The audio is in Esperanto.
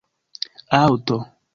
Aŭto.